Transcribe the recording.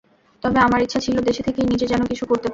তবে আমার ইচ্ছা ছিল দেশে থেকেই নিজে যেন কিছু করতে পারি।